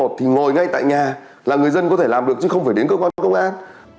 thì ngồi ngay tại nhà là người dân có thể làm được chứ không phải đến cơ quan công an